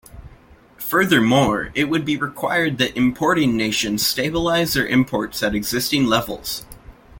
Furthermore, it would be required that importing nations stabilize their imports at existing levels.